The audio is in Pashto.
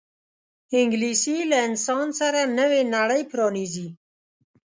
انګلیسي له انسان سره نوې نړۍ پرانیزي